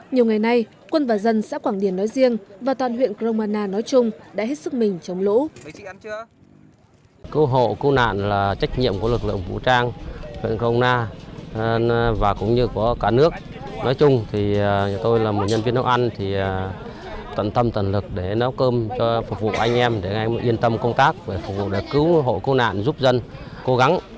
nhiều ngày nay quân và dân xã quảng điền nói riêng và toàn huyện gromana nói chung đã hết sức mình chống lũ